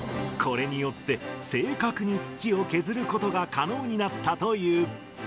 これによって、正確に土を削ることが可能になったという。